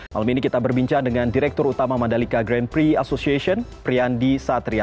malam ini kita berbincang dengan direktur utama mandalika grand prix association priyandi satria